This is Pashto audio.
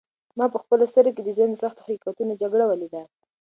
ما په خپلو سترګو کې د ژوند د سختو حقیقتونو جګړه ولیده.